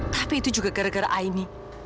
tapi itu juga gara gara aini